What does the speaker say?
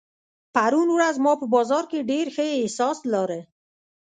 پرون ورځ ما په بازار کې ډېر ښه احساس لارۀ.